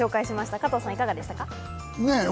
加藤さん、いかがでしたか？